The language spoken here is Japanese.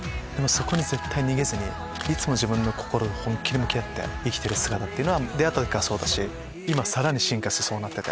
でも絶対逃げずにいつも自分の心と向き合って生きてる姿っていうのは出会った時からそうだし今さらに進化してそうなってて。